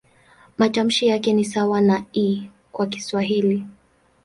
Matamshi yake ni sawa na "i" kwa Kiswahili.